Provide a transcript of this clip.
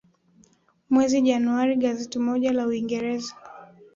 mwezi januari gazeti moja la uingereza